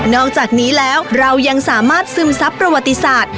อกจากนี้แล้วเรายังสามารถซึมซับประวัติศาสตร์